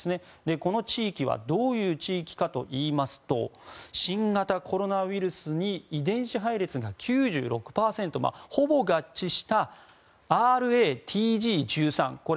この地域はどういう地域かといいますと新型コロナウイルスに遺伝子配列が９６％ほぼ合致したＲａＴＧ１３。